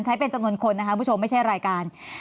ใช้เป็นจำนวนคนนะคะคุณผู้ชมไม่ใช่รายการ